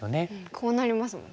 こうなりますもんね。